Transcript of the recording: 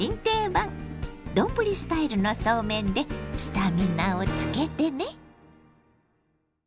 丼スタイルのそうめんでスタミナをつけてね。